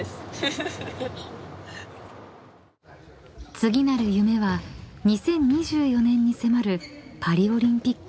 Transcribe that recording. ［次なる夢は２０２４年に迫るパリオリンピック］